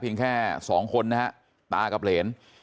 เพียงแค่สองคนนะครับตากับเหรียญ